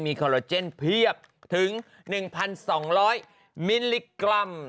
คอลโลเจนเพียบถึง๑๒๐๐มิลลิกรัม